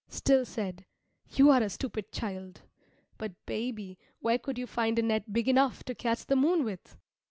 Still said, "You are a stupid child! But, baby, where could you find a net big enough to catch the moon with?"